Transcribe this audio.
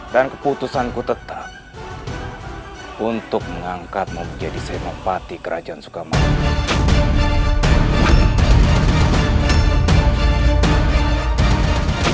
dan keputusanku tetap untuk mengangkatmu menjadi senopati kerajaan sukamani